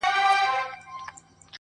• خپل نصیب وي غلامۍ لره روزلي -